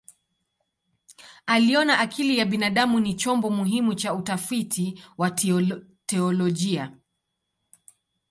Aliona akili ya binadamu ni chombo muhimu cha utafiti wa teolojia.